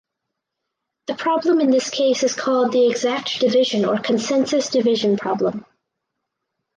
The problem in this case is called the exact division or consensus division problem.